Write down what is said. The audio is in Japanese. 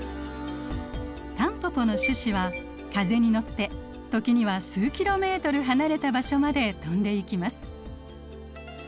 タンポポの種子は風に乗って時には数キロメートル離れた場所まで飛んでいきます。